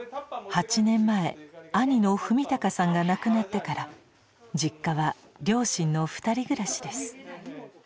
８年前兄の史敬さんが亡くなってから実家は両親の２人暮らしです。